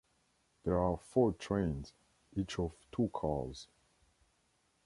There are four trains, each of two cars.